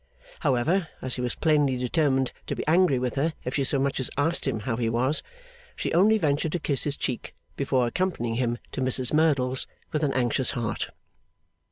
However, as he was plainly determined to be angry with her if she so much as asked him how he was, she only ventured to kiss his cheek, before accompanying him to Mrs Merdle's with an anxious heart.